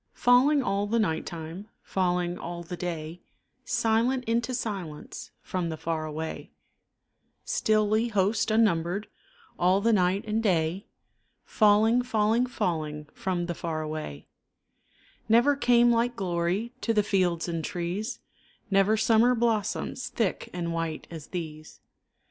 Falling all the night time, Falling all the day, Silent into silence, From the far away; Stilly host unnumbered, All the night and day Falling, falling, falling, From the far away, Never came like glory To the fields and trees, Never summer blossoms Thick and white as these.